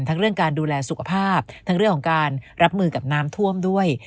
เรื่องการดูแลสุขภาพทั้งเรื่องของการรับมือกับน้ำท่วมด้วย